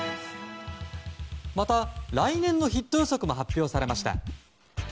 また、来年のヒット予測も発表されました。